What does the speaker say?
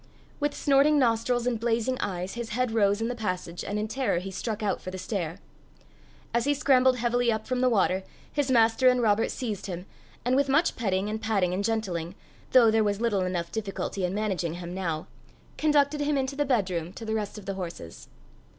With snorting nostrils and blazing eyes his head rose in the passage, and in terror he struck out for the stair. As he scrambled heavily up from the water, his master and Robert seized him, and with much petting and patting and gentling, though there was little enough difficulty in managing him now, conducted him into the bedroom to the rest of the horses.